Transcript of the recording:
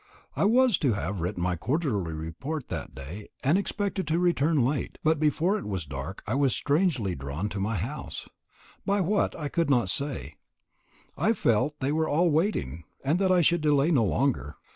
I was to have written my quarterly report that day, and expected to return late; but before it was dark I was strangely drawn to my house by what I could not say I felt they were all waiting, and that I should delay no longer.